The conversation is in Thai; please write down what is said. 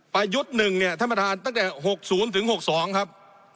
ประยุทธ์หนึ่งเนี่ยท่านประทานตั้งแต่หกศูนย์ถึงหกสองครับ